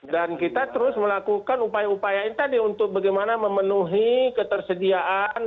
dan kita terus melakukan upaya upaya ini tadi untuk bagaimana memenuhi ketersediaan